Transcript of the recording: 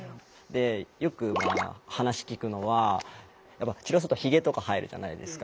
よく話聞くのは治療するとヒゲとか生えるじゃないですか。